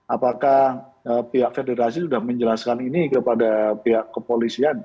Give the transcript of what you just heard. apakah pihak federasi sudah menjelaskan ini kepada pihak kepolisian